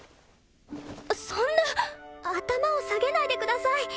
そんな頭を下げないでください